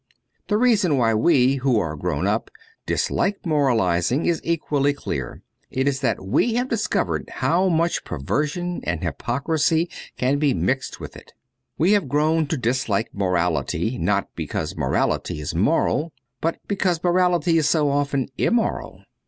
The reason why we, who are grown up, dislike moralizing is equally clear : it is that we have discovered how much perversion and hypocrisy can be mixed with it ; we have grown to dislike morality not because morality is moral, but because morality is so often immoral.